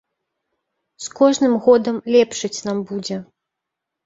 З кожным годам лепшаць нам будзе.